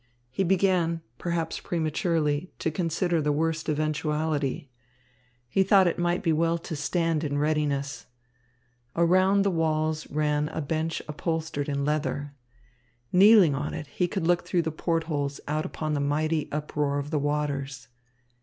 He began, perhaps prematurely, to consider the worst eventuality. He thought it might be well to stand in readiness. Around the walls ran a bench upholstered in leather. Kneeling on it, he could look through the port holes out upon the mighty uproar of the waters.